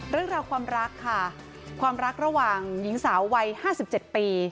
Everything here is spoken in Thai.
เรื่องราวความรักค่ะความรักระหว่างหญิงสาววัย๕๗ปี